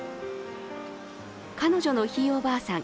彼女のひいおばあさん